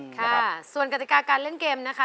ค่ะส่วนกติกาการเล่นเกมนะคะ